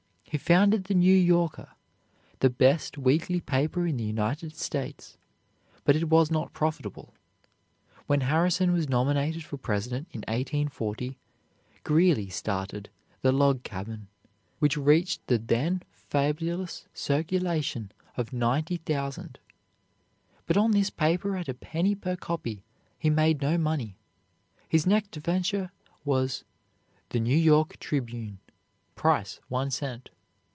He founded the "New Yorker," the best weekly paper in the United States, but it was not profitable. When Harrison was nominated for President in 1840, Greeley started "The Log Cabin," which reached the then fabulous circulation of ninety thousand. But on this paper at a penny per copy he made no money. His next venture was "The New York Tribune," price one cent.